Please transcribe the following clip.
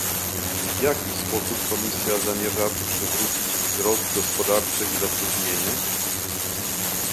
W jaki sposób Komisja zamierza przywrócić wzrost gospodarczy i zatrudnienie?